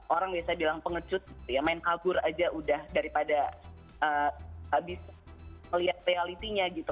orang biasa bilang pengecut main kabur aja udah daripada habis melihat reality nya gitu